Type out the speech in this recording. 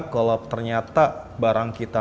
kalau ternyata barang kita